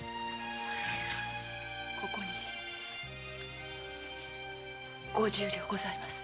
ここに五十両ございます。